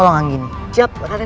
jangan kurang ajar kamu